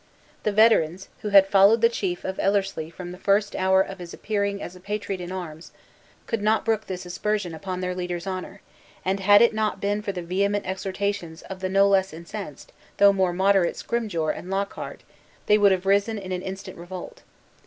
The veterans, who had followed the chief of Ellerslie from the first hour of his appearing as a patriot in arms, could not brook this aspersion upon their leader's honor; and had it not been for the vehement exhortations of the no less incensed, though more moderate, Scrymgeour and Lockhart, they would have risen in instant revolt.